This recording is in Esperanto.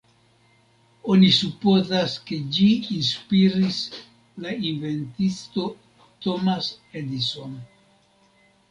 Oni supozas ke ĝi inspiris la inventisto Thomas Edison.